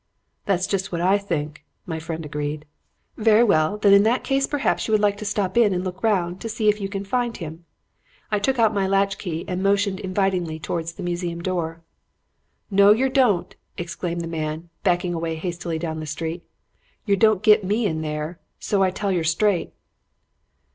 "'That's just what I think,' my friend agreed. "'Very well. Then in that case perhaps you would like to step in and look round to see if you can find him.' I took out my latch key and motioned invitingly towards the museum door. "'No yer don't,' exclaimed the man, backing away hastily down the street. 'Yer don't git me in there, so I tell yer straight.'